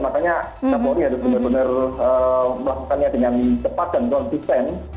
makanya kapolri harus benar benar melakukannya dengan cepat dan konsisten